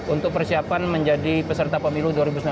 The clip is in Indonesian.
untuk persiapan menjadi peserta pemilu dua ribu sembilan belas